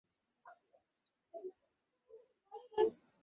আমিও তোমার মতো।